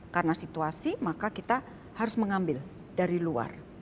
karena situasi maka kita harus mengambil dari luar